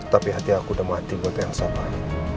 tapi hati aku udah mati buat elsa pak